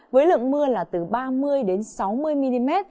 với lượng mưa là từ ba mươi sáu mươi mm